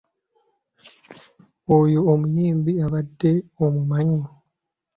Oyo omuyimbi obadde omumanyi?